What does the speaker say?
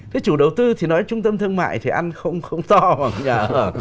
thế chủ đầu tư thì nói trung tâm thương mại thì ăn không to mà nhà ở